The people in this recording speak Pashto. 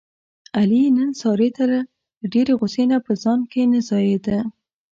علي نن سارې ته له ډېرې غوسې نه په ځان کې نه ځایېدا.